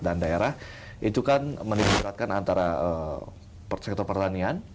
dan daerah itu kan menitik beratkan antara sektor pertanian